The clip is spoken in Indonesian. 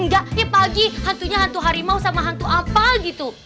enggak eh pagi hantunya hantu harimau sama hantu apa gitu